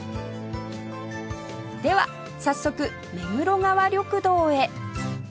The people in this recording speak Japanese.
では早速目黒川緑道へ